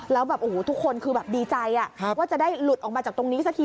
แล้วทุกคนคือดีใจว่าจะได้หลุดออกมาจากตรงนี้สักที